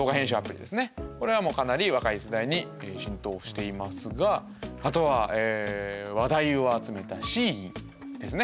これはかなり若い世代に浸透していますがあとは話題を集めたＳＨＥＩＮですね。